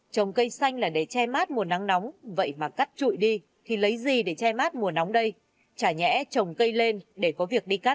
trồng cây xanh là để che mát mùa nắng nóng vậy mà cắt trụi đi thì lấy gì để che mát mùa nóng đây chả nhẽ trồng cây lên để có việc đi cắt